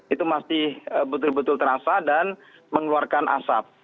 itu masih betul betul terasa dan mengeluarkan asap